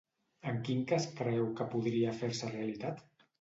En quin cas creu que podria fer-se realitat?